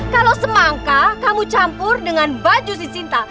kalau semangka kamu campur dengan baju si sinta